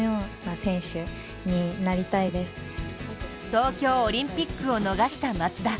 東京オリンピックを逃した松田。